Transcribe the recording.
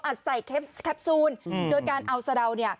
ใส่แคปซูลโดยการเอาสะเดาเนี่ย